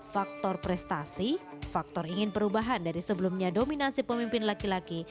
faktor prestasi faktor ingin perubahan dari sebelumnya dominasi pemimpin laki laki